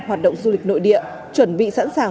hoạt động du lịch nội địa chuẩn bị sẵn sàng